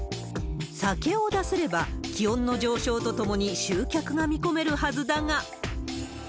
酒を出せれば、気温の上昇とともに集客が見込めるはずだが。